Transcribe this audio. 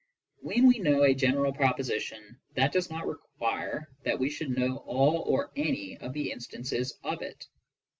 When we know a general proposition, that does not require that we should know all or any of the instances of it.